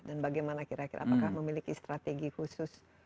dan bagaimana kira kira apakah memiliki strategi khusus